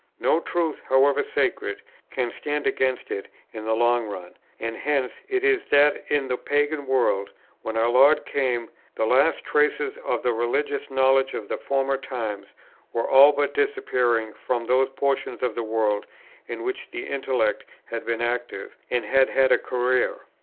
No truth, however sacred, can stand against it, in the long run; and hence it is that in the pagan world, when our Lord came, the last traces of the religious knowledge of former times were all but disappearing from those portions of the world in which the intellect had been active and had had a career.